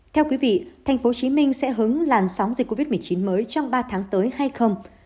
theo quý vị tp hcm sẽ hứng làn sóng dịch covid một mươi chín mới trong ba tháng tới hay không